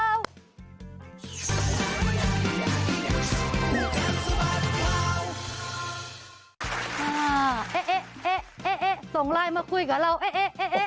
เอ๊ะส่งไลน์มาคุยกับเราเอ๊ะ